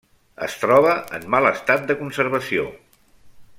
Es troba en mal estat de conservació.